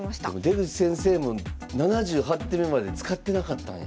出口先生も７８手目まで使ってなかったんや。